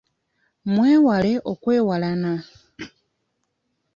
Mwewale okwewalana.